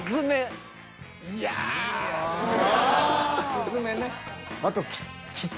「すずめ」ね。